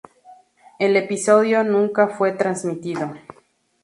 El episodio nunca fue transmitido.